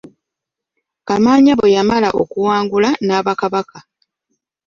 Kamaanya bwe yamala okuwangula n'aba Kabaka.